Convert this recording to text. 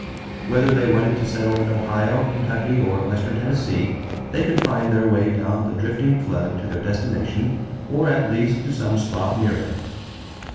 Whether they wanted to settle in Ohio, Kentucky, or western Tennessee they could find their way down the drifting flood to their destination or at least to some spot near it.